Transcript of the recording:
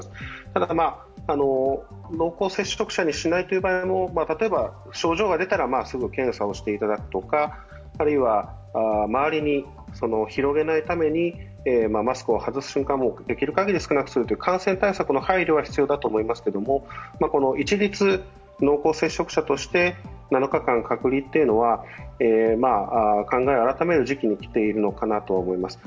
ただ、濃厚接触者にしないという場合は、例えば症状が出たらすぐ検査していただくとか、あるいは周りに広げないためにマスクを外す習慣もできる限り少なくするという感染対策の配慮が必要だと思いますけれどもこの一律濃厚接触者として７日間隔離というのは考えを改める時期に来ているのかなと思います。